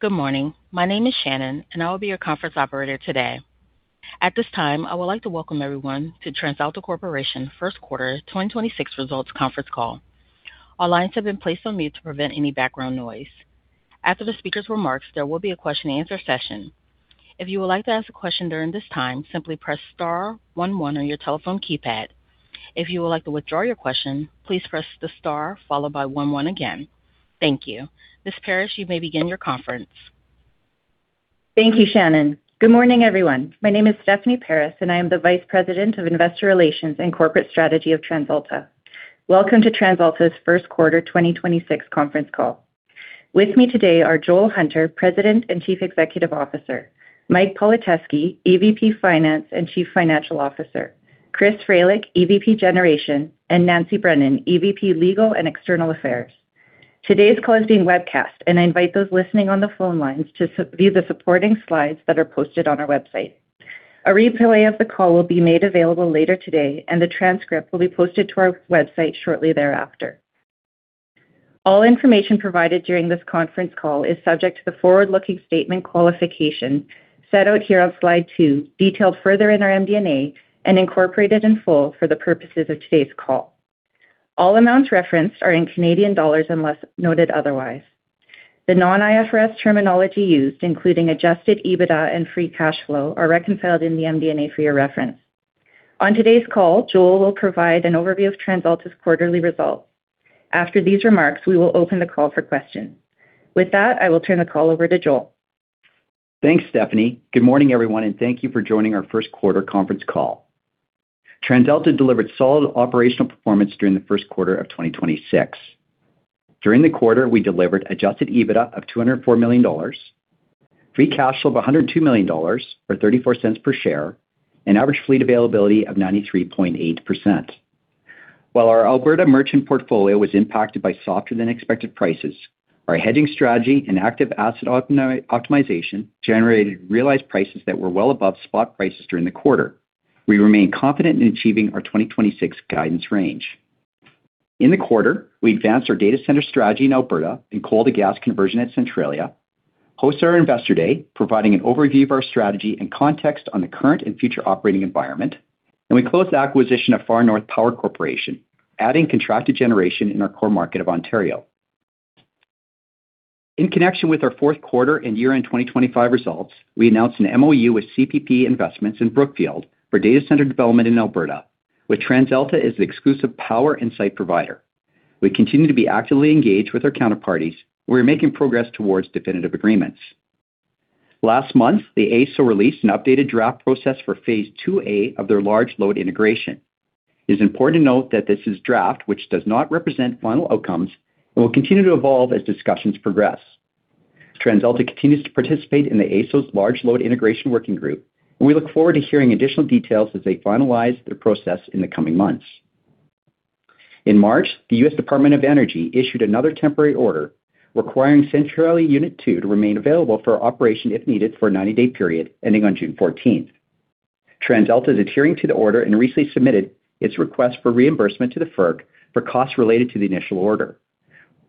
Good morning. My name is Shannon, and I will be your conference operator today. At this time, I would like to welcome everyone to TransAlta Corporation First Quarter 2026 Results Conference Call. All lines have been placed on mute to prevent any background noise. After the speaker's remarks, there will be a question and answer session. If you would like to ask a question during this time, simply press star one one on your telephone keypad. If you would like to withdraw your question, please press the star followed by one one again. Thank you. Ms. Paris, you may begin your conference. Thank you, Shannon. Good morning, everyone. My name is Stephanie Paris. I am the Vice President of Investor Relations and Corporate Strategy of TransAlta. Welcome to TransAlta's first quarter 2026 conference call. With me today are Joel Hunter, President and Chief Executive Officer, Mike Politeski, EVP Finance and Chief Financial Officer, Chris Fralick, EVP Generation, Nancy Brennan, EVP Legal and External Affairs. Today's call is being webcast. I invite those listening on the phone lines to view the supporting slides that are posted on our website. A replay of the call will be made available later today. The transcript will be posted to our website shortly thereafter. All information provided during this conference call is subject to the forward-looking statement qualification set out here on slide two, detailed further in our MD&A and incorporated in full for the purposes of today's call. All amounts referenced are in Canadian dollars unless noted otherwise. The non-IFRS terminology used, including Adjusted EBITDA and Free cash flow, are reconciled in the MD&A for your reference. On today's call, Joel will provide an overview of TransAlta's quarterly results. After these remarks, we will open the call for questions. With that, I will turn the call over to Joel. Thanks, Stephanie. Good morning, everyone, and thank you for joining our first quarter conference call. TransAlta delivered solid operational performance during the first quarter of 2026. During the quarter, we delivered adjusted EBITDA of 204 million dollars, Free cash flow of 102 million dollars, or 0.34 per share, and average Fleet availability of 93.8%. While our Alberta merchant portfolio was impacted by softer than expected prices, our hedging strategy and active asset opti-optimization generated realized prices that were well above spot prices during the quarter. We remain confident in achieving our 2026 guidance range. In the quarter, we advanced our data center strategy in Alberta and coal to gas conversion at Centralia, hosted our Investor Day, providing an overview of our strategy and context on the current and future operating environment. We closed the acquisition of Far North Power Corporation, adding contracted generation in our core market of Ontario. In connection with our fourth quarter and year-end 2025 results, we announced an MOU with CPP Investments in Brookfield for data center development in Alberta, with TransAlta as the exclusive power and site provider. We continue to be actively engaged with our counterparties. We are making progress towards definitive agreements. Last month, the AESO released an updated draft process for Phase 2A of their large load integration. It is important to note that this is draft, which does not represent final outcomes and will continue to evolve as discussions progress. TransAlta continues to participate in the AESO's Large Load Integration Working Group, and we look forward to hearing additional details as they finalize their process in the coming months. In March, the U.S. Department of Energy issued another temporary order requiring Centralia Unit Two to remain available for operation if needed for a 90-day period ending on June 14th. TransAlta is adhering to the order and recently submitted its request for reimbursement to the FERC for costs related to the initial order.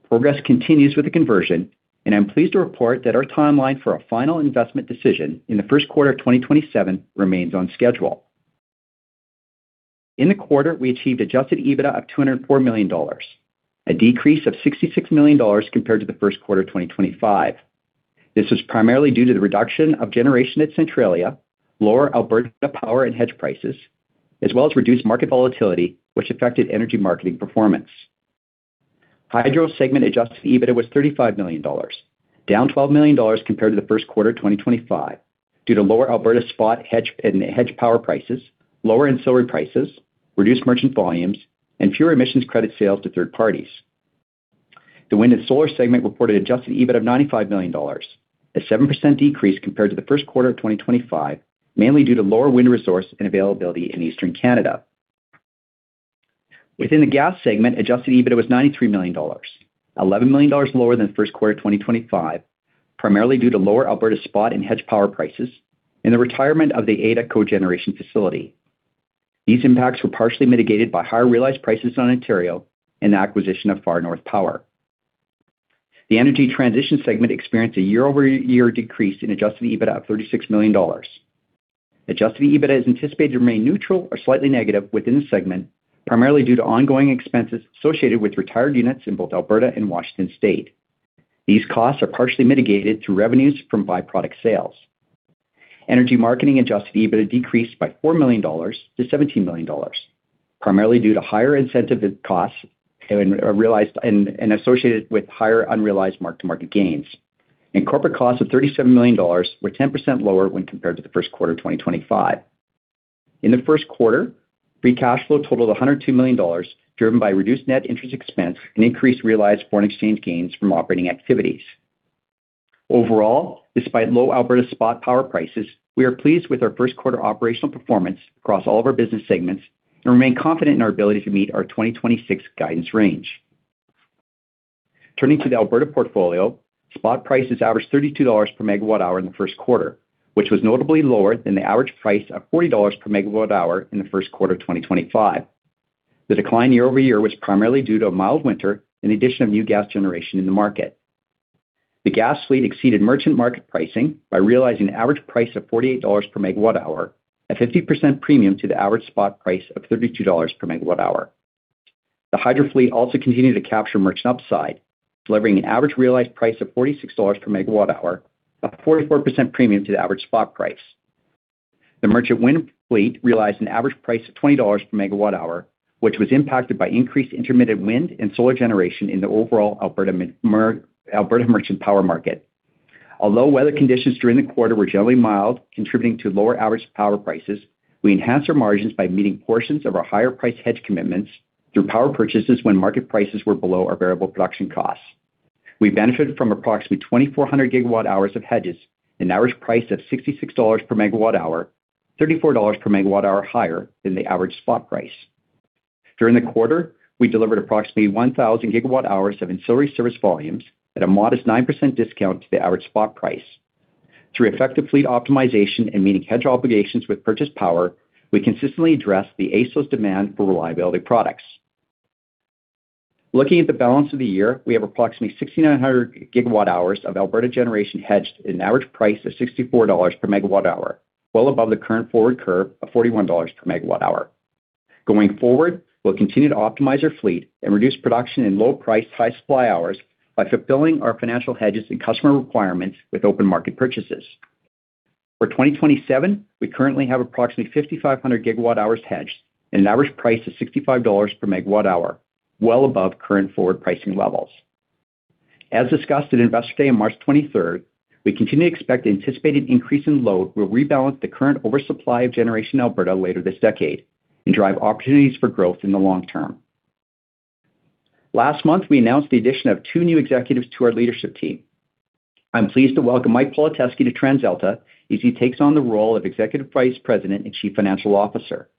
Progress continues with the conversion, and I'm pleased to report that our timeline for a final investment decision in the first quarter of 2027 remains on schedule. In the quarter, we achieved adjusted EBITDA of 204 million dollars, a decrease of 66 million dollars compared to the first quarter of 2025. This was primarily due to the reduction of generation at Centralia, lower Alberta power and hedge prices, as well as reduced market volatility, which affected energy marketing performance. Hydro segment adjusted EBITDA was 35 million dollars, down 12 million dollars compared to the first quarter of 2025 due to lower Alberta spot hedge and hedge power prices, lower ancillary services, reduced merchant volumes, and fewer emissions credit sales to third parties. The wind and solar segment reported adjusted EBIT of 95 million dollars, a 7% decrease compared to the first quarter of 2025, mainly due to lower wind resource and availability in Eastern Canada. Within the gas segment, adjusted EBITDA was 93 million dollars, 11 million dollars lower than first quarter of 2025, primarily due to lower Alberta spot and hedged power prices and the retirement of the Ada cogeneration facility. These impacts were partially mitigated by higher realized prices on Ontario and the acquisition of Far North Power. The energy transition segment experienced a year-over-year decrease in adjusted EBITDA of 36 million dollars. Adjusted EBITDA is anticipated to remain neutral or slightly negative within the segment, primarily due to ongoing expenses associated with retired units in both Alberta and Washington State. These costs are partially mitigated through revenues from byproduct sales. energy marketing adjusted EBITDA decreased by 4 million-17 million dollars, primarily due to higher incentive costs and realized and associated with higher unrealized mark-to-market gains. Corporate costs of 37 million dollars were 10% lower when compared to the first quarter of 2025. In the first quarter, free cash flow totaled 102 million dollars, driven by reduced net interest expense and increased realized foreign exchange gains from operating activities. Overall, despite low Alberta spot power prices, we are pleased with our first quarter operational performance across all of our business segments and remain confident in our ability to meet our 2026 guidance range. Turning to the Alberta portfolio, spot prices averaged 32 dollars per MWh in the first quarter, which was notably lower than the average price of 40 dollars per MWh in the first quarter of 2025. The decline year-over-year was primarily due to a mild winter in addition of new gas generation in the market. The gas fleet exceeded merchant market pricing by realizing average price of 48 dollars per MWh, a 50% premium to the average spot price of 32 dollars per MWh. The hydro fleet also continued to capture merchant upside, delivering an average realized price of 46 dollars per MWh, a 44% premium to the average spot price. The merchant wind fleet realized an average price of 20 dollars per MWh, which was impacted by increased intermittent wind and solar generation in the overall Alberta merchant power market. Although weather conditions during the quarter were generally mild, contributing to lower average power prices, we enhanced our margins by meeting portions of our higher price hedge commitments through power purchases when market prices were below our variable production costs. We benefited from approximately 2,400 gigawatt-hours of hedges, an average price of 66 dollars per MWh, 34 dollars per MWh higher than the average spot price. During the quarter, we delivered approximately 1,000 GWh of ancillary service volumes at a modest 9% discount to the average spot price. Through effective fleet optimization and meeting hedge obligations with purchased power, we consistently address the AESO's demand for reliability products. Looking at the balance of the year, we have approximately 6,900 gigawatt-hours of Alberta generation hedged at an average price of 64 dollars per MWh, well above the current forward curve of 41 dollars per MWh. Going forward, we'll continue to optimize our fleet and reduce production in low-priced, high-supply hours by fulfilling our financial hedges and customer requirements with open market purchases. For 2027, we currently have approximately 5,500 GWh hedged at an average price of 65 dollars per MWh, well above current forward pricing levels. As discussed at Investor Day on March 23rd, we continue to expect anticipated increase in load will rebalance the current oversupply of generation Alberta later this decade and drive opportunities for growth in the long term. Last month, we announced the addition of two new executives to our leadership team. I'm pleased to welcome Mike Politeski to TransAlta as he takes on the role of Executive Vice President and Chief Financial Officer.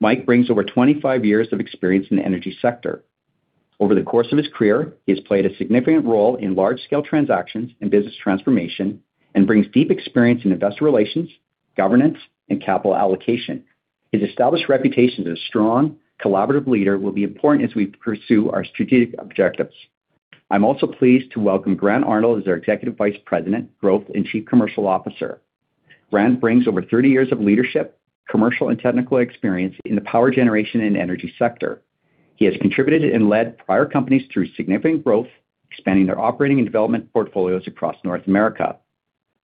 Mike brings over 25 years of experience in the energy sector. Over the course of his career, he has played a significant role in large-scale transactions and business transformation and brings deep experience in investor relations, governance, and capital allocation. His established reputation as a strong, collaborative leader will be important as we pursue our strategic objectives. I'm also pleased to welcome Grant Arnold as our Executive Vice President, Growth and Chief Commercial Officer. Grant brings over 30 years of leadership, commercial and technical experience in the power generation and energy sector. He has contributed and led prior companies through significant growth, expanding their operating and development portfolios across North America.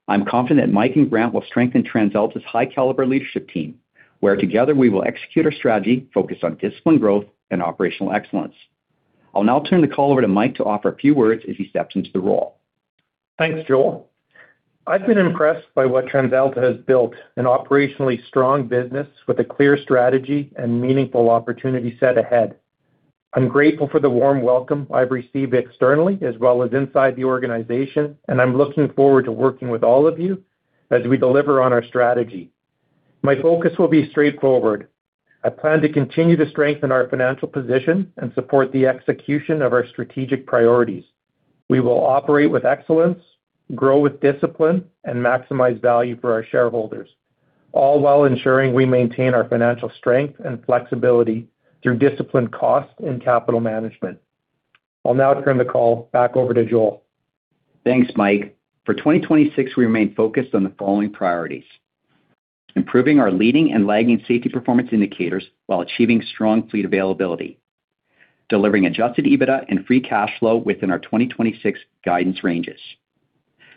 I'm confident Mike and Grant will strengthen TransAlta's high-caliber leadership team, where together we will execute our strategy focused on disciplined growth and operational excellence. I'll now turn the call over to Mike to offer a few words as he steps into the role. Thanks, Joel. I've been impressed by what TransAlta has built, an operationally strong business with a clear strategy and meaningful opportunity set ahead. I'm grateful for the warm welcome I've received externally as well as inside the organization, and I'm looking forward to working with all of you as we deliver on our strategy. My focus will be straightforward. I plan to continue to strengthen our financial position and support the execution of our strategic priorities. We will operate with excellence, grow with discipline, and maximize value for our shareholders, all while ensuring we maintain our financial strength and flexibility through disciplined cost and capital management. I'll now turn the call back over to Joel. Thanks, Mike. For 2026, we remain focused on the following priorities: Improving our leading and lagging safety performance indicators while achieving strong fleet availability, delivering adjusted EBITDA and Free cash flow within our 2026 guidance ranges,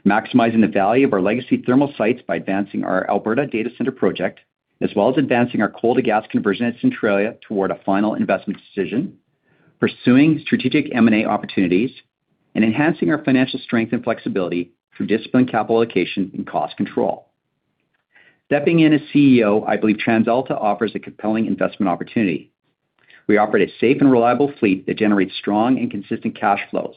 maximizing the value of our legacy thermal sites by advancing our Alberta data center project, as well as advancing our coal-to-gas conversion at Centralia toward a final investment decision, pursuing strategic M&A opportunities, and enhancing our financial strength and flexibility through disciplined capital allocation and cost control. Stepping in as CEO, I believe TransAlta offers a compelling investment opportunity. We operate a safe and reliable fleet that generates strong and consistent cash flows.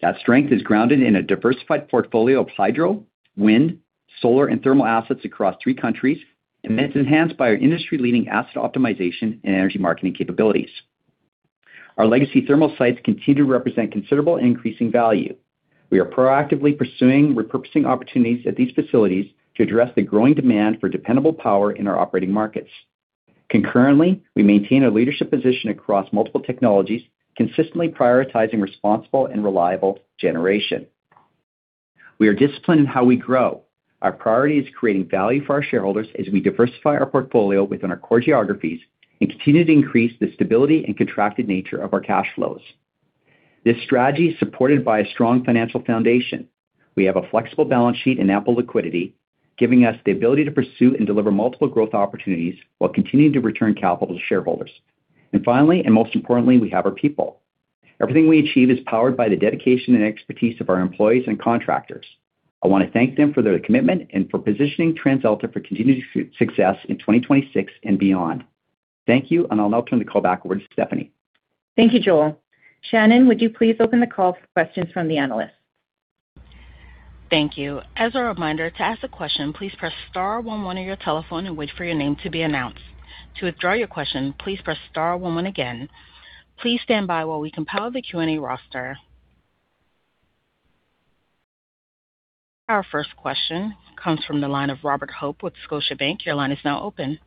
That strength is grounded in a diversified portfolio of hydro, wind, solar, and thermal assets across three countries, and it's enhanced by our industry-leading asset optimization and energy marketing capabilities. Our legacy thermal sites continue to represent considerable and increasing value. We are proactively pursuing repurposing opportunities at these facilities to address the growing demand for dependable power in our operating markets. Concurrently, we maintain a leadership position across multiple technologies, consistently prioritizing responsible and reliable generation. We are disciplined in how we grow. Our priority is creating value for our shareholders as we diversify our portfolio within our core geographies and continue to increase the stability and contracted nature of our cash flows. This strategy is supported by a strong financial foundation. We have a flexible balance sheet and ample liquidity, giving us the ability to pursue and deliver multiple growth opportunities while continuing to return capital to shareholders. Finally, and most importantly, we have our people. Everything we achieve is powered by the dedication and expertise of our employees and contractors. I want to thank them for their commitment and for positioning TransAlta for continued success in 2026 and beyond. Thank you. I'll now turn the call back over to Stephanie. Thank you, Joel. Shannon, would you please open the call for questions from the analysts? Thank you. As a reminder, to ask a question, please press star one one on your telephone and wait for your name to be announced. To withdraw your question, please press star one one again. Please stand by while we compile the Q&A roster. Our first question comes from the line of Robert Hope with Scotiabank. Your line is now open.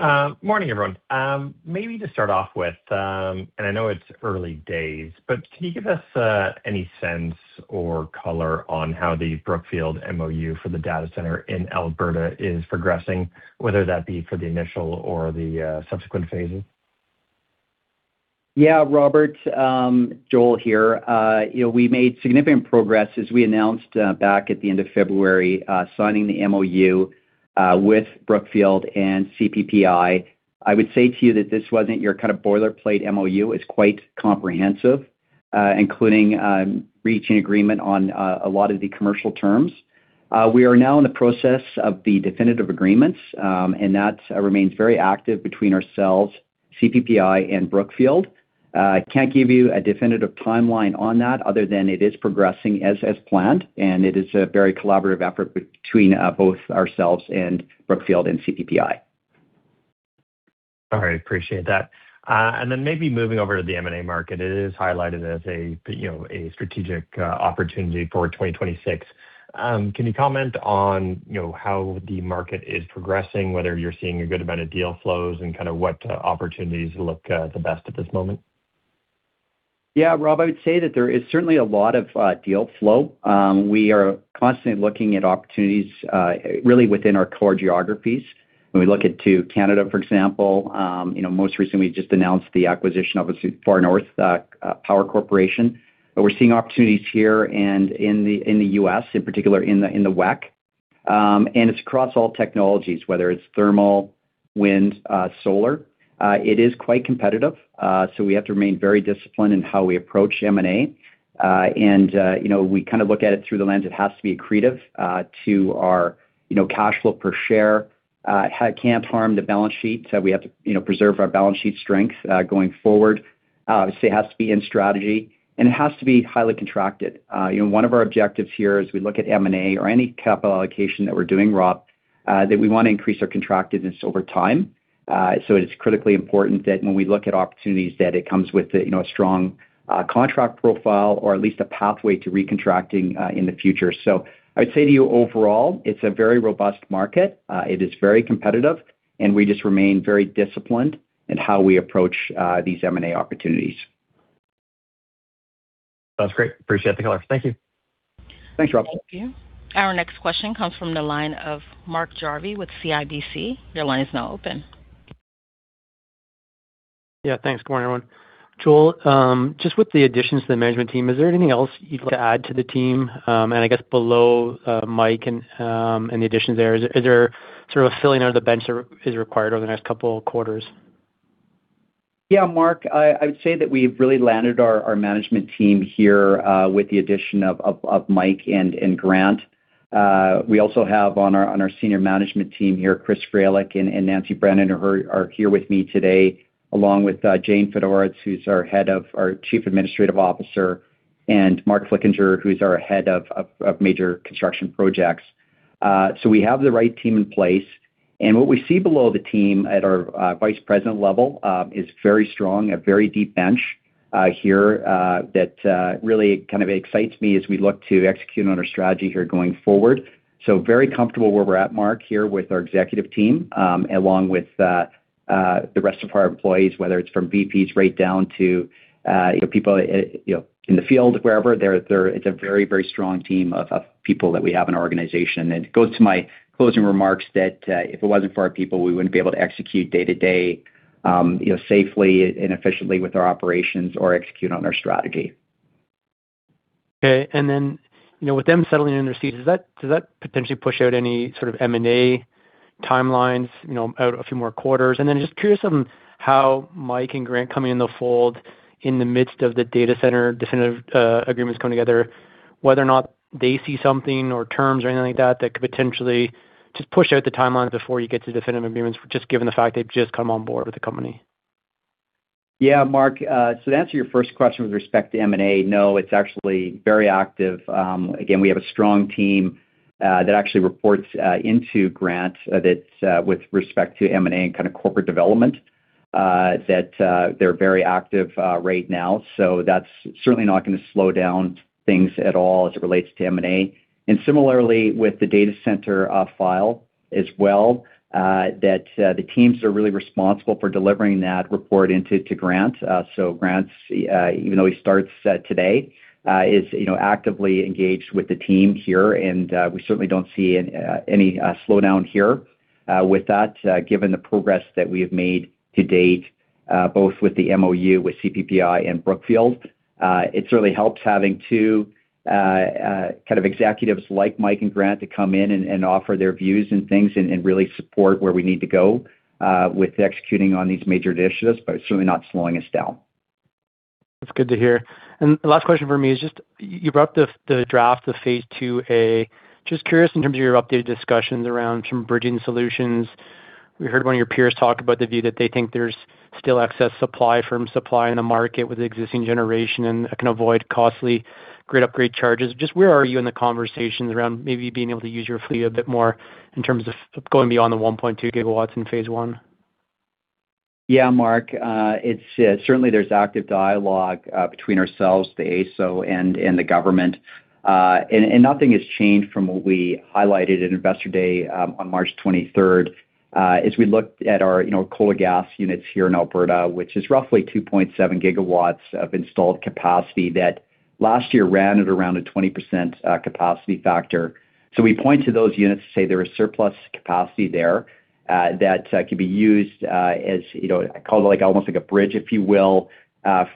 Morning, everyone. Maybe to start off with. I know it's early days, can you give us any sense or color on how the Brookfield MOU for the data center in Alberta is progressing, whether that be for the initial or the subsequent phases? Yeah, Robert. Joel here. You know, we made significant progress, as we announced back at the end of February, signing the MOU with Brookfield and CPPI. I would say to you that this wasn't your kind of boilerplate MOU. It's quite comprehensive, including reaching agreement on a lot of the commercial terms. We are now in the process of the definitive agreements, and that remains very active between ourselves, CPPI and Brookfield. Can't give you a definitive timeline on that other than it is progressing as planned, and it is a very collaborative effort between both ourselves and Brookfield and CPPI. All right. Appreciate that. Then maybe moving over to the M&A market, it is highlighted as a, you know, a strategic opportunity for 2026. Can you comment on, you know, how the market is progressing, whether you're seeing a good amount of deal flows and kind of what opportunities look the best at this moment? Rob, I would say that there is certainly a lot of deal flow. We are constantly looking at opportunities really within our core geographies. When we look at to Canada, for example, you know, most recently just announced the acquisition of Far North Power Corporation. We're seeing opportunities here and in the U.S., in particular in the WECC. It's across all technologies, whether it's thermal, wind, solar. It is quite competitive, we have to remain very disciplined in how we approach M&A. You know, we kind of look at it through the lens. It has to be accretive to our, you know, cash flow per share. It can't harm the balance sheet, we have to, you know, preserve our balance sheet strength going forward. I would say it has to be in strategy, and it has to be highly contracted. You know, one of our objectives here as we look at M&A or any capital allocation that we're doing, Rob, that we want to increase our contractiveness over time. It is critically important that when we look at opportunities, that it comes with a, you know, a strong contract profile or at least a pathway to recontracting in the future. I would say to you overall, it's a very robust market. It is very competitive, and we just remain very disciplined in how we approach these M&A opportunities. Sounds great. Appreciate the color. Thank you. Thanks, Rob. Thank you. Our next question comes from the line of Mark Jarvi with CIBC. Your line is now open. Yeah, thanks. Good morning, everyone. Joel, just with the additions to the management team, is there anything else you'd like to add to the team? I guess below Mike and the additions there, is there sort of a filling of the bench that is required over the next couple of quarters? Mark, I would say that we've really landed our management team here with the addition of Mike and Grant. We also have on our, on our Senior Management Team here, Chris Fralick and Nancy Brennan are here with me today, along with Jane N. Fedoretz, who's our Head of our Chief Administrative Officer, and Mark Flickinger, who's our Head of Major Construction Projects. We have the right team in place. What we see below the team at our Vice President level is very strong, a very deep bench here that really kind of excites me as we look to execute on our strategy here going forward. Very comfortable where we're at, Mark, here with our executive team, along with the rest of our employees. Whether it's from VPs right down to, you know, people, you know, in the field, wherever, they're it's a very, very strong team of people that we have in our organization. It goes to my closing remarks that if it wasn't for our people, we wouldn't be able to execute day-to-day, you know, safely and efficiently with our operations or execute on our strategy. Okay. You know, with them settling in their seats, does that, does that potentially push out any sort of M&A timelines, you know, out a few more quarters? Just curious on how Mike and Grant coming in the fold in the midst of the data center definitive, uh, agreements coming together, whether or not they see something or terms or anything like that that could potentially just push out the timeline before you get to definitive agreements, just given the fact they've just come on board with the company? Yeah, Mark. To answer your first question with respect to M&A, no, it's actually very active. Again, we have a strong team that actually reports into Grant that with respect to M&A and kind of corporate development that they're very active right now. That's certainly not gonna slow down things at all as it relates to M&A. Similarly, with the data center file as well, the teams that are really responsible for delivering that report into Grant. Grant's, even though he starts today, is, you know, actively engaged with the team here. We certainly don't see any slowdown here with that given the progress that we have made to date, both with the MOU with CPPI and Brookfield. It certainly helps having two, kind of executives like Mike and Grant to come in and really support where we need to go, with executing on these major initiatives, but it's certainly not slowing us down. That's good to hear. The last question from me is just, you brought up the draft, the phase IIA. Curious in terms of your updated discussions around some bridging solutions. We heard one of your peers talk about the view that they think there's still excess supply from supply in the market with existing generation, and it can avoid costly grid upgrade charges. Where are you in the conversations around maybe being able to use your fleet a bit more in terms of going beyond the 1.2 GW in phase I? Yeah, Mark, it's certainly there's active dialogue between ourselves, the AESO and the government. Nothing has changed from what we highlighted at Investor Day on March 23rd. As we look at our, you know, coal to gas units here in Alberta, which is roughly 2.7 GW of installed capacity that last year ran at around a 20% capacity factor. We point to those units to say there is surplus capacity there that could be used as, you know, call it like almost like a bridge, if you will,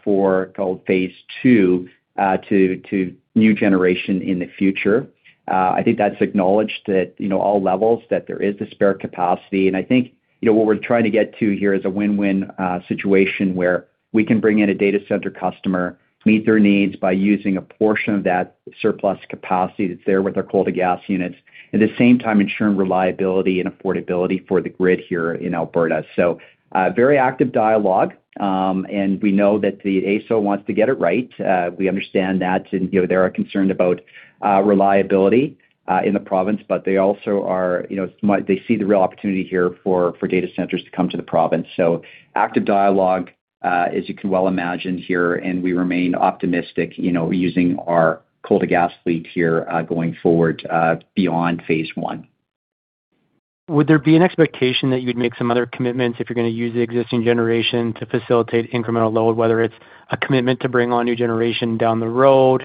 for phase II to new generation in the future. I think that's acknowledged that, you know, all levels, that there is the spare capacity. I think, you know, what we're trying to get to here is a win-win situation where we can bring in a data center customer, meet their needs by using a portion of that surplus capacity that's there with our coal to gas units. At the same time, ensuring reliability and affordability for the grid here in Alberta. Very active dialogue. We know that the AESO wants to get it right. We understand that, you know, they are concerned about reliability in the province, but they also are, you know, they see the real opportunity here for data centers to come to the province. Active dialogue, as you can well imagine here, we remain optimistic, you know, using our coal to gas fleet here, going forward beyond phase I. Would there be an expectation that you'd make some other commitments if you're gonna use the existing generation to facilitate incremental load, whether it's a commitment to bring on new generation down the road,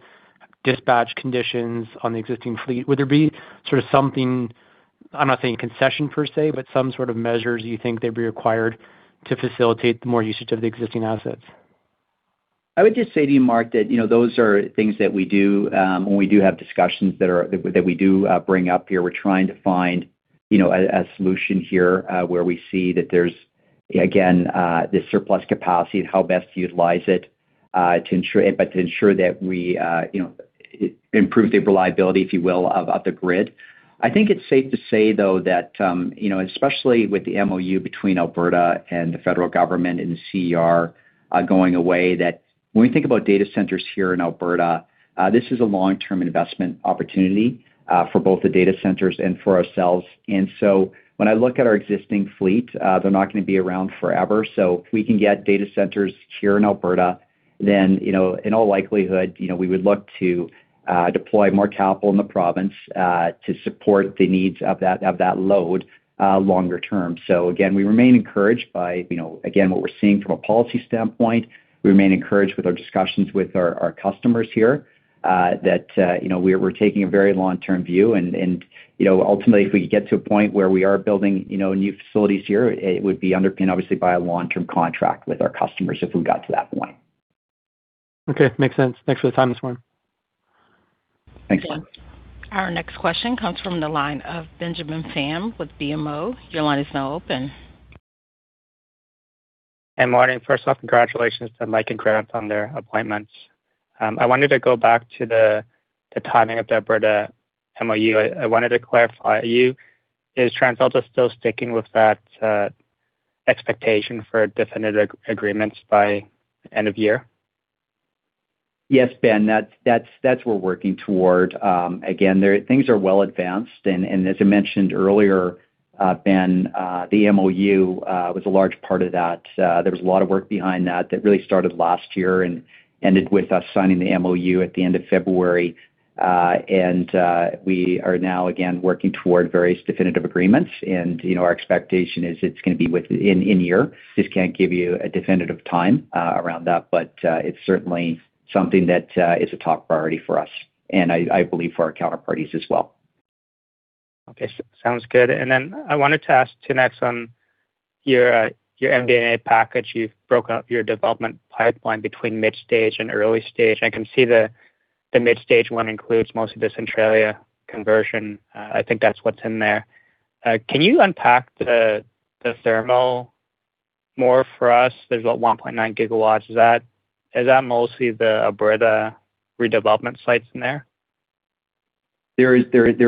dispatch conditions on the existing fleet? Would there be sort of something, I'm not saying concession per se, but some sort of measures you think they'd be required to facilitate the more usage of the existing assets? I would just say to you, Mark, that, you know, those are things that we do, when we do have discussions that we do bring up here. We're trying to find, you know, a solution here, where we see that there's, again, this surplus capacity and how best to utilize it, to ensure that we, you know, improve the reliability, if you will, of the grid. I think it's safe to say, though, that, you know, especially with the MOU between Alberta and the federal government and the CER, going away, that when we think about data centers here in Alberta, this is a long-term investment opportunity, for both the data centers and for ourselves. When I look at our existing fleet, they're not gonna be around forever. If we can get data centers here in Alberta, then, you know, in all likelihood, you know, we would look to deploy more capital in the province to support the needs of that, of that load longer term. Again, we remain encouraged by, you know, again, what we're seeing from a policy standpoint. We remain encouraged with our discussions with our customers here that, you know, we're taking a very long-term view and, you know, ultimately, if we could get to a point where we are building, you know, new facilities here, it would be underpinned obviously by a long-term contract with our customers if we got to that point. Okay. Makes sense. Thanks for the time this morning. Thanks. Our next question comes from the line of Benjamin Pham with BMO. Your line is now open. Hey, morning. First off, congratulations to Mike and Grant on their appointments. I wanted to go back to the timing of the Alberta MoU. I wanted to clarify, is TransAlta still sticking with that expectation for definitive agreements by end of year? Yes, Ben. That's we're working toward. Again, things are well advanced. As I mentioned earlier, Ben, the MoU was a large part of that. There was a lot of work behind that that really started last year and ended with us signing the MoU at the end of February. We are now again working toward various definitive agreements. You know, our expectation is it's gonna be in year. Just can't give you a definitive time around that, but it's certainly something that is a top priority for us and I believe for our counterparties as well. Okay. Sounds good. I wanted to ask too next on your MD&A package. You've broken up your development pipeline between mid stage and early stage. I can see the mid stage one includes most of the Centralia conversion. I think that's what's in there. Can you unpack the thermal more for us? There's, what, 1.9 GW. Is that mostly the Alberta redevelopment sites in there? There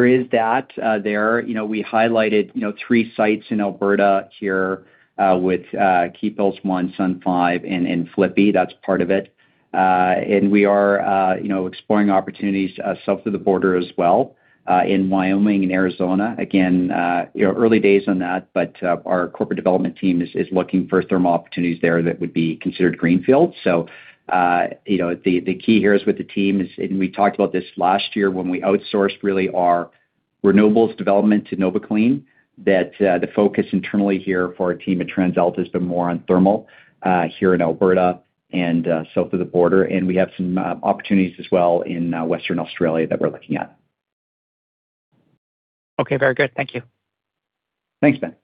is that there. You know, we highlighted, you know, three sites in Alberta here with Keephills Unit 1, SunHills and Flippy. That's part of it. We are, you know, exploring opportunities south of the border as well, in Wyoming and Arizona. Again, you know, early days on that, but our corporate development team is looking for thermal opportunities there that would be considered greenfield. You know, the key here is with the team, and we talked about this last year when we outsourced really our renewables development to NovaClean, that the focus internally here for our team at TransAlta has been more on thermal here in Alberta and south of the border. We have some opportunities as well in Western Australia that we're looking at. Okay. Very good. Thank you. Thanks, Ben.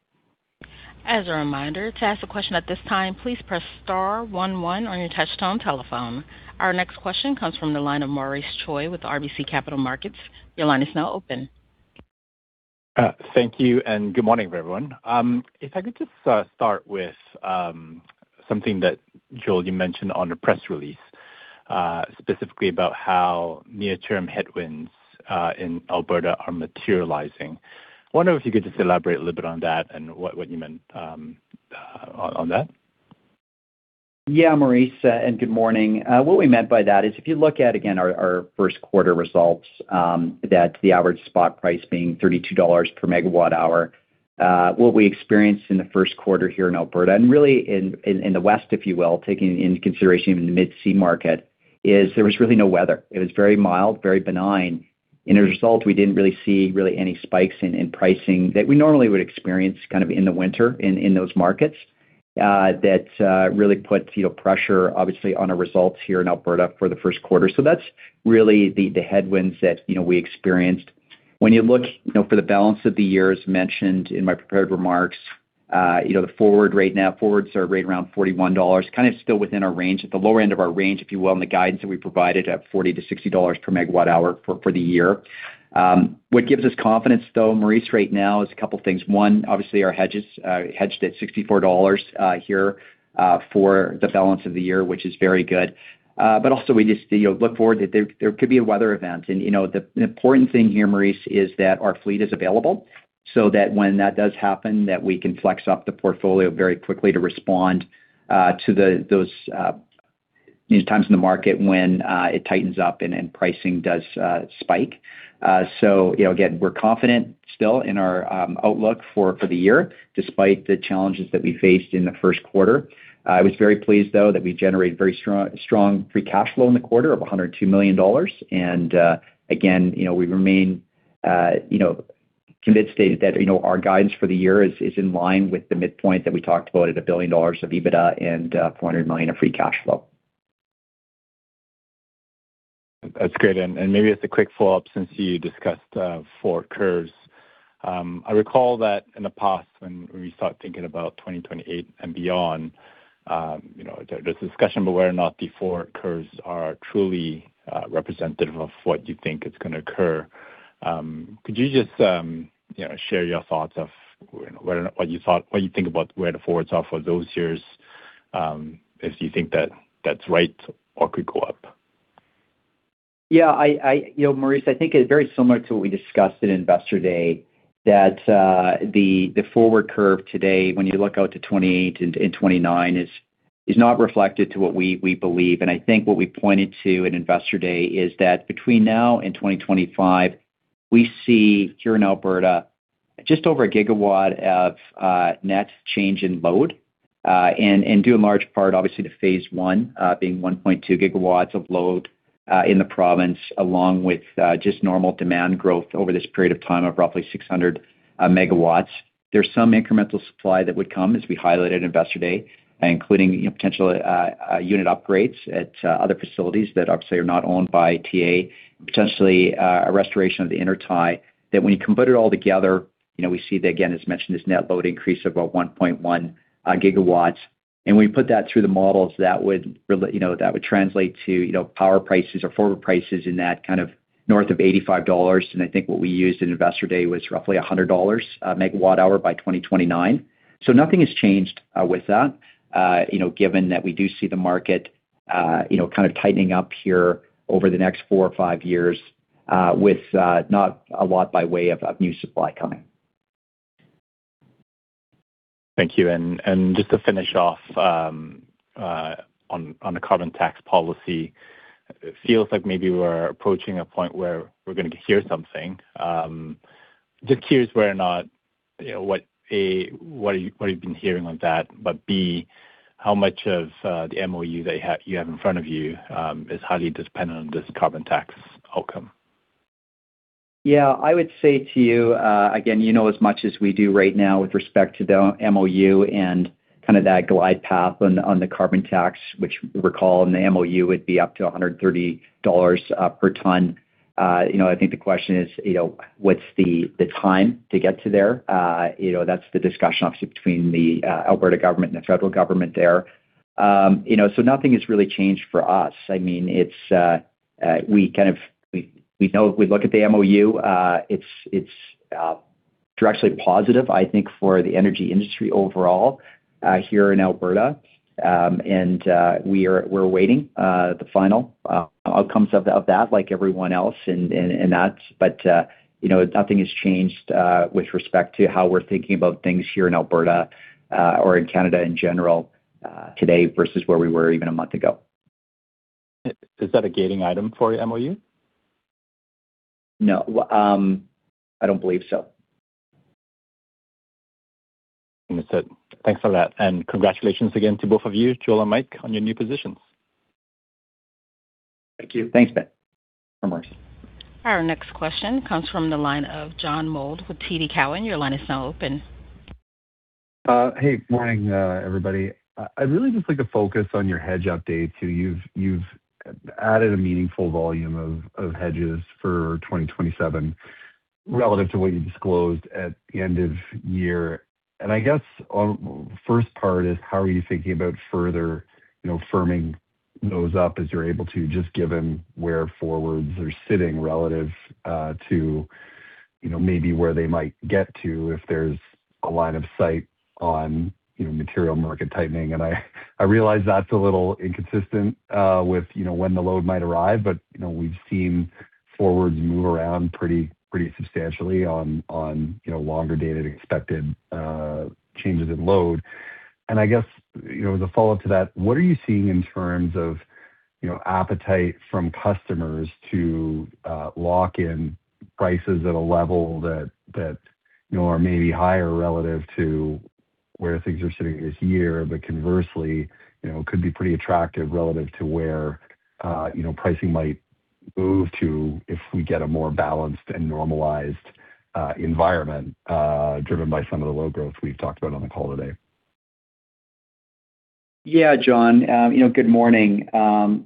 As a reminder, to ask a question at this time, please press star one one on your touchtone telephone. Our next question comes from the line of Maurice Choy with RBC Capital Markets. Your line is now open. Thank you. Good morning, everyone. If I could just start with something that Joel, you mentioned on the press release, specifically about how near-term headwinds in Alberta are materializing. I wonder if you could just elaborate a little bit on that and what you meant on that. Maurice, and good morning. What we meant by that is if you look at again our first quarter results, that the average spot price being 32 dollars per MWh. What we experienced in the first quarter here in Alberta and really in the West, if you will, taking into consideration even the Mid-C market, is there was really no weather. It was very mild, very benign. As a result, we didn't really see really any spikes in pricing that we normally would experience kind of in the winter in those markets. That, really put, you know, pressure obviously on our results here in Alberta for the first quarter. That's really the headwinds that, you know, we experienced. When you look, you know, for the balance of the year, as mentioned in my prepared remarks, you know, the forward rate now. Forwards are right around 41 dollars, kind of still within our range, at the lower end of our range, if you will, in the guidance that we provided at 40-60 dollars per MWh for the year. What gives us confidence though, Maurice, right now is a couple things. One, obviously our hedges, hedged at 64 dollars, here, for the balance of the year, which is very good. Also we just, you know, look forward that there could be a weather event. You know, the important thing here, Maurice, is that our fleet is available so that when that does happen, that we can flex up the portfolio very quickly to respond, to the, those, these times in the market when it tightens up and pricing does spike. So you know, again, we're confident still in our outlook for the year, despite the challenges that we faced in the first quarter. I was very pleased, though, that we generated very strong free cash flow in the quarter of 102 million dollars. Again, you know, we remain, you know, convinced that, you know, our guidance for the year is in line with the midpoint that we talked about at 1 billion dollars of EBITDA and 400 million of free cash flow. That's great. Maybe as a quick follow-up, since you discussed forward curves. I recall that in the past when we start thinking about 2028 and beyond, you know, there's discussion about whether or not the forward curves are truly representative of what you think is gonna occur. Could you just, you know, share your thoughts of whether or not what you think about where the forwards are for those years, if you think that that's right or could go up? Yeah, you know, Maurice Choy, I think it's very similar to what we discussed at Investor Day, that the forward curve today when you look out to 2028 and 2029 is not reflected to what we believe. I think what we pointed to at Investor Day is that between now and 2025, we see here in Alberta just over a gigawatt of net change in load. Due in large part obviously to phase I, being 1.2 GW of load in the province, along with just normal demand growth over this period of time of roughly 600 megawatts. There's some incremental supply that would come, as we highlighted at Investor Day, including, you know, potential unit upgrades at other facilities that obviously are not owned by TransAlta. Potentially, a restoration of the intertie. That when you combine it all together, you know, we see that again, as mentioned, this net load increase of about 1.1 GW. When we put that through the models, that would, you know, translate to, you know, power prices or forward prices in that kind of north of 85 dollars. I think what we used at Investor Day was roughly 100 dollars MWh by 2029. Nothing has changed with that. You know, given that we do see the market, you know, kind of tightening up here over the next four years or five years, with not a lot by way of new supply coming. Thank you. Just to finish off on the carbon tax policy, it feels like maybe we're approaching a point where we're gonna hear something. Just curious whether or not, you know, what, A, what have you been hearing on that? B, how much of the MOU that you have in front of you is highly dependent on this carbon tax outcome? Yeah, I would say to you, again, you know as much as we do right now with respect to the MoU and kind of that glide path on the carbon tax, which recall in the MoU would be up to 130 dollars per tonne. You know, I think the question is, you know, what's the time to get to there? You know, that's the discussion obviously between the Alberta government and the federal government there. You know, nothing has really changed for us. I mean, it's, we know, we look at the MOU, it's directionally positive, I think, for the energy industry overall, here in Alberta. We are, we're awaiting the final outcomes of that like everyone else. You know, nothing has changed with respect to how we're thinking about things here in Alberta, or in Canada in general, today versus where we were even a month ago. Is that a gating item for your MOU? No. I don't believe so. Understood. Thanks for that. Congratulations again to both of you, Joel and Mike, on your new positions. Thank you. Thanks, Ben. No worries. Our next question comes from the line of John Mould with TD Cowen. Your line is now open. Hey, morning, everybody. I'd really just like to focus on your hedge update. You've added a meaningful volume of hedges for 2027 relative to what you disclosed at the end of year. I guess, first part is how are you thinking about further, you know, firming those up as you're able to, just given where forwards are sitting relative to, you know, maybe where they might get to, if there's a line of sight on, you know, material market tightening? I realize that's a little inconsistent with, you know, when the load might arrive, but, you know, we've seen forwards move around pretty substantially on, you know, longer dated expected changes in load. I guess, you know, as a follow-up to that, what are you seeing in terms of, you know, appetite from customers to lock in prices at a level that, you know, are maybe higher relative to where things are sitting this year, but conversely, you know, could be pretty attractive relative to where, you know, pricing might move to if we get a more balanced and normalized environment, driven by some of the low growth we've talked about on the call today? Yeah, John. You know, good morning.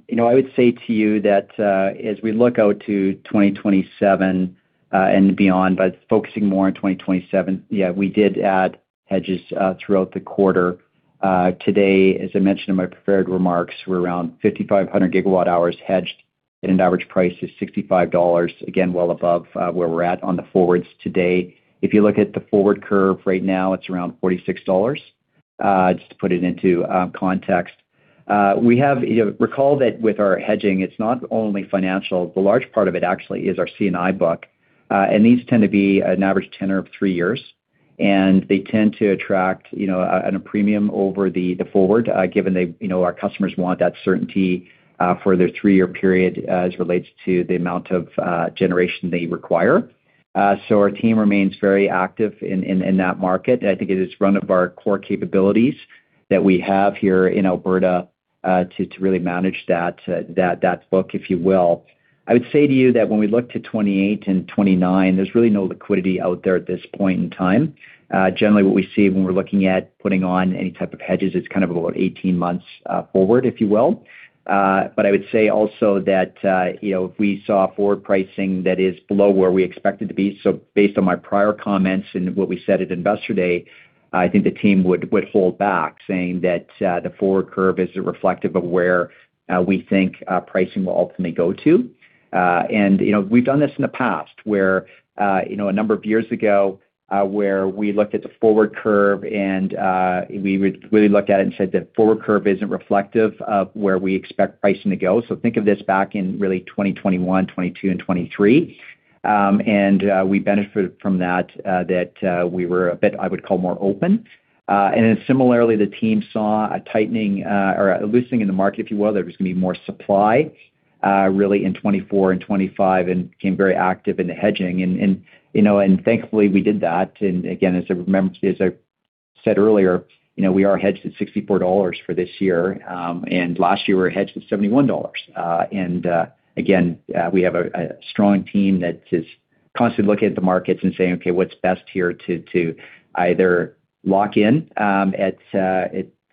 You know, I would say to you that, as we look out to 2027 and beyond, but focusing more on 2027, yeah, we did add hedges throughout the quarter. Today, as I mentioned in my prepared remarks, we're around 5,500 GWh hedged at an average price is 65 dollars, again, well above where we're at on the forwards today. If you look at the forward curve right now, it's around 46 dollars, just to put it into context. You know, recall that with our hedging, it's not only financial. The large part of it actually is our C&I book. These tend to be an average tenor of three years, and they tend to attract, you know, a premium over the forward, given they, you know, our customers want that certainty for their three year period as relates to the amount of generation they require. Our team remains very active in that market. I think it is one of our core capabilities that we have here in Alberta to really manage that book, if you will. I would say to you that when we look to 2028 and 2029, there's really no liquidity out there at this point in time. Generally, what we see when we're looking at putting on any type of hedges, it's kind of about 18 months forward, if you will. I would say also that, you know, if we saw forward pricing that is below where we expect it to be, so based on my prior comments and what we said at Investor Day, I think the team would hold back saying that the forward curve isn't reflective of where we think pricing will ultimately go to. And, you know, we've done this in the past where, you know, a number of years ago, where we looked at the forward curve and we would really look at it and said the forward curve isn't reflective of where we expect pricing to go. Think of this back in really 2021, 2022, and 2023. And we benefited from that we were a bit, I would call, more open. Then similarly, the team saw a tightening or a loosening in the market, if you will. There was gonna be more supply really in 2024 and 2025 and became very active in the hedging. You know, thankfully, we did that. Again, as I said earlier, you know, we are hedged at 64 dollars for this year. Last year, we were hedged at 71 dollars. Again, we have a strong team that is constantly looking at the markets and saying, "Okay, what's best here to either lock in at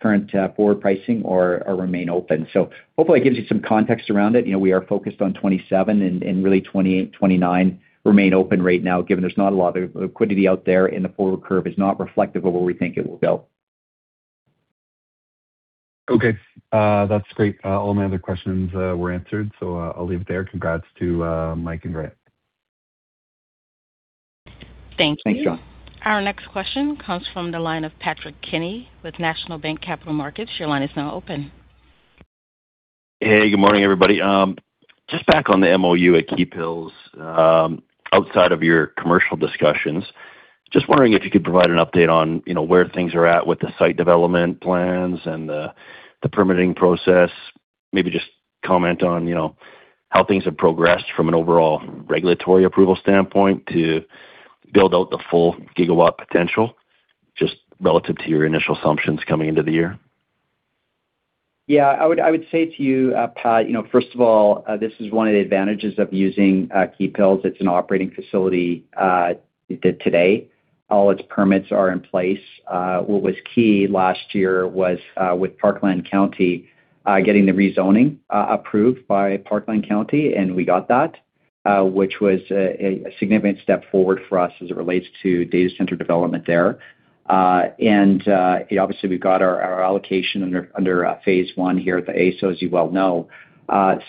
current forward pricing or remain open?" Hopefully it gives you some context around it. You know, we are focused on 2027 and really 2028, 2029 remain open right now, given there's not a lot of liquidity out there, and the forward curve is not reflective of where we think it will go. Okay. That's great. All my other questions were answered, so I'll leave it there. Congrats to Mike and Grant. Thank you. Thanks, John. Our next question comes from the line of Patrick Kenny with National Bank Capital Markets. Your line is now open. Hey, good morning, everybody. Just back on the MoU at Keephills, outside of your commercial discussions, just wondering if you could provide an update on, you know, where things are at with the site development plans and the permitting process? Maybe just comment on, you know, how things have progressed from an overall regulatory approval standpoint to build out the full gigawatt potential, just relative to your initial assumptions coming into the year? Yeah. I would, I would say to you, Patrick, you know, first of all, this is one of the advantages of using Keephills. It's an operating facility today. All its permits are in place. What was key last year was with Parkland County getting the rezoning approved by Parkland County, and we got that, which was a significant step forward for us as it relates to data center development there. Obviously, we've got our allocation under phase I here at the AESO, as you well know.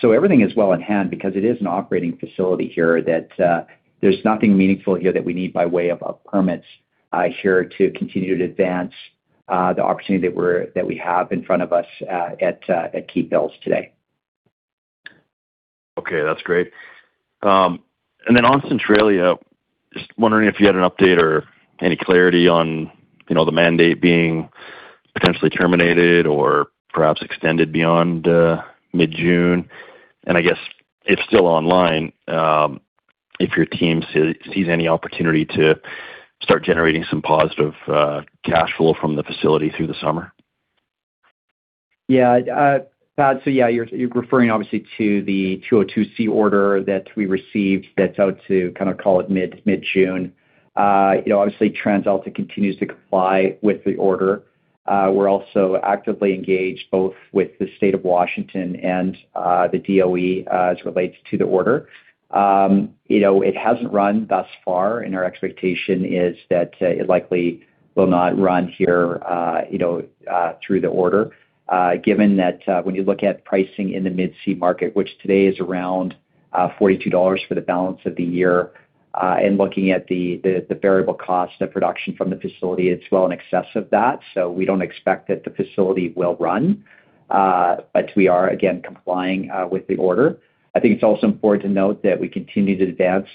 Everything is well in hand because it is an operating facility here that there's nothing meaningful here that we need by way of permits here to continue to advance the opportunity that we have in front of us at Keephills today. Okay, that's great. On Centralia, just wondering if you had an update or any clarity on, you know, the mandate being potentially terminated or perhaps extended beyond mid-June? I guess if still online, if your team sees any opportunity to start generating some positive cash flow from the facility through the summer? Patrick, you're referring obviously to the 202(c) order that we received that's out to call it mid-June. You know, obviously, TransAlta continues to comply with the order. We're also actively engaged both with the State of Washington and the DOE as relates to the order. You know, it hasn't run thus far, and our expectation is that it likely will not run here, you know, through the order, given that when you look at pricing in the Mid-C market, which today is around 42 dollars for the balance of the year. And looking at the variable cost of production from the facility, it's well in excess of that. We don't expect that the facility will run. We are, again, complying with the order. I think it's also important to note that we continue to advance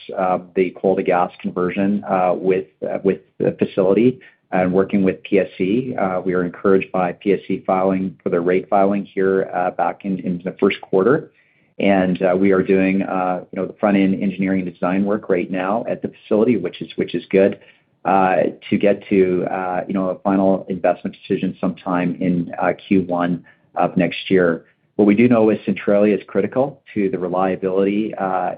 the coal to gas conversion with the facility and working with PSE. We are encouraged by PSE filing for their rate filing here back in the first quarter. We are doing, you know, the front-end engineering and design work right now at the facility, which is good, to get to, you know, a final investment decision sometime in Q1 of next year. What we do know is Centralia is critical to the reliability,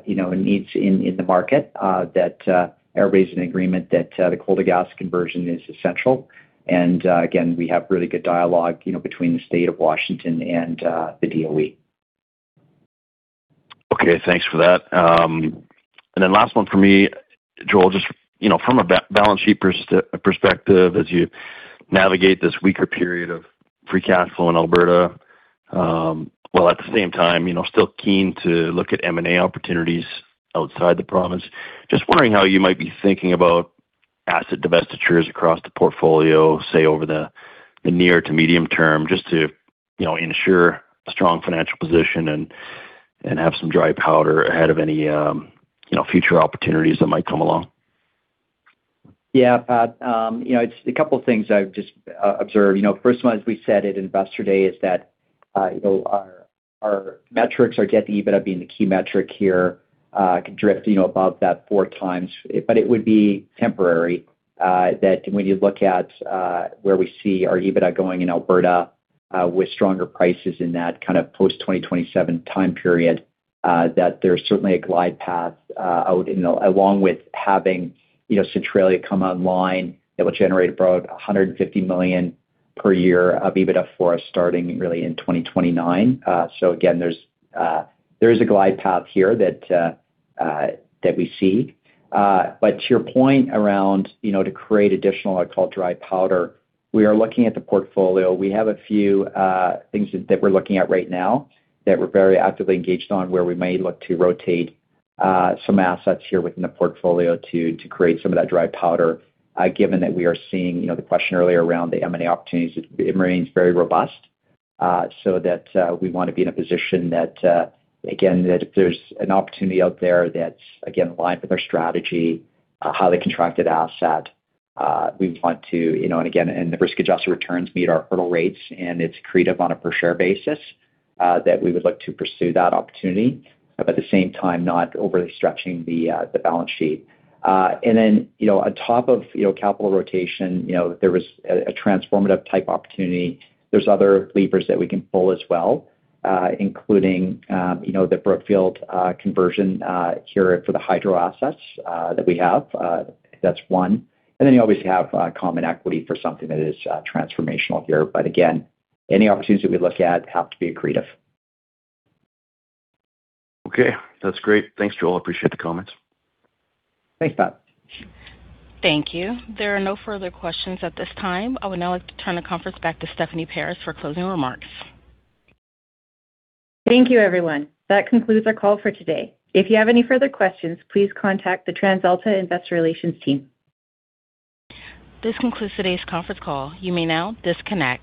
you know, it needs in the market that everybody's in agreement that the coal to gas conversion is essential. Again, we have really good dialogue, you know, between the State of Washington and the DOE. Okay. Thanks for that. Then last one for me, Joel. Just, you know, from a balance sheet perspective, as you navigate this weaker period of free cash flow in Alberta, while at the same time, you know, still keen to look at M&A opportunities outside the province. Just wondering how you might be thinking about asset divestitures across the portfolio, say over the near to medium term, just to, you know, ensure a strong financial position and have some dry powder ahead of any, you know, future opportunities that might come along. Yeah. Pat, it's a couple of things I've just observed. First one, as we said at Investor Day, is that our metrics are get the EBITDA being the key metric here, could drift above that 4x. It would be temporary, that when you look at where we see our EBITDA going in Alberta, with stronger prices in that kind of post 2027 time period, that there's certainly a glide path out. Along with having Centralia come online, it will generate about 150 million per year of EBITDA for us, starting really in 2029. Again, there is a glide path here that we see. To your point around, you know, to create additional, I call dry powder, we are looking at the portfolio. We have a few things that we're looking at right now that we're very actively engaged on, where we may look to rotate some assets here within the portfolio to create some of that dry powder, given that we are seeing, you know, the question earlier around the M&A opportunities. It remains very robust, so that we want to be in a position that, again, if there's an opportunity out there that's, again, in line with our strategy, a highly contracted asset. Again, and the risk-adjusted returns meet our hurdle rates and it's accretive on a per share basis, that we would look to pursue that opportunity, but at the same time, not overly stretching the balance sheet. Then, you know, on top of, you know, capital rotation, you know, there was a transformative type opportunity. There's other levers that we can pull as well, including, you know, the Brookfield conversion here for the hydro assets that we have. That's one. Then you obviously have common equity for something that is transformational here. Again, any opportunities that we look at have to be accretive. Okay. That's great. Thanks, Joel. Appreciate the comments. Thanks, Pat. Thank you. There are no further questions at this time. I would now like to turn the conference back to Stephanie Paris for closing remarks. Thank you, everyone. That concludes our call for today. If you have any further questions, please contact the TransAlta investor relations team. This concludes today's conference call. You may now disconnect.